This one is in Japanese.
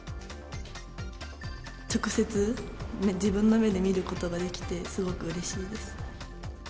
直接、自分の目で見ることができて、すごくうれしいです。